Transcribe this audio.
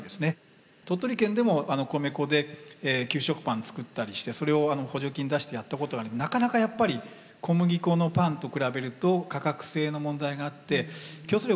鳥取県でも米粉で給食パン作ったりしてそれを補助金出してやったことがありなかなかやっぱり小麦粉のパンと比べると価格性の問題があって競争力はなかなかないんですよね。